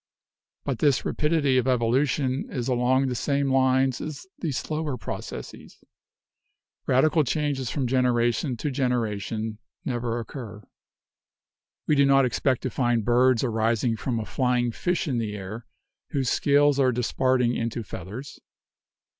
But this rapidity of evolution is along the same lines as the slower processes. Radical changes from generation to generation never occur. "We do not expect to find birds arising from a 'flying fish in the air, whose scales are disparting into feathers.'